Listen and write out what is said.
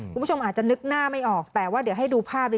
คุณผู้ชมอาจจะนึกหน้าไม่ออกแต่ว่าเดี๋ยวให้ดูภาพนี้